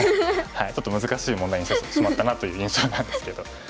ちょっと難しい問題にしてしまったなという印象なんですけど。